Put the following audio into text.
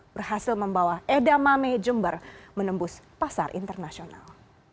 berhasil membawa edamame jember menembus pasar internasional